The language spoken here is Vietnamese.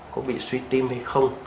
có bị suy tim hay không